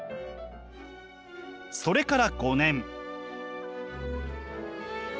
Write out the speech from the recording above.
それから５年。